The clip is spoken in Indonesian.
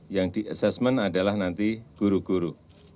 yang di assessment adalah nanti guru guru